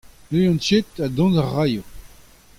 N'ouzon ket ha dont a raio.